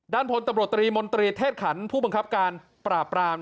ด้านพลตบริโบรตรีมนตรีเทศขันต์ผู้บังคับการปราบปราบ